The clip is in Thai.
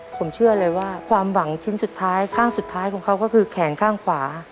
ผมเชื่อเลยว่าความหวังชิ้นสุดท้ายข้างสุดท้ายของเขาก็คือแขนข้างขวา